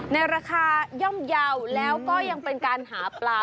ในราคาย่อมเยาว์แล้วก็ยังเป็นการหาปลา